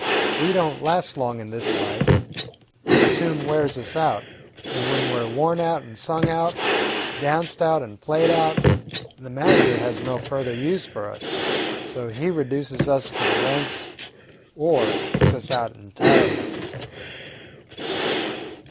We don't last long in this life: it soon wears us out, and when we 're worn out and sung out, danced out and played out, the manager has no further use for us; so he reduces us to the ranks or kicks us out entirely."